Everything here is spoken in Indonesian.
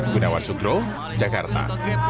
gunawan sudro jakarta